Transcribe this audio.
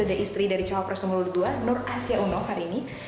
sudah istri dari calon presiden nomor dua nur asya uno hari ini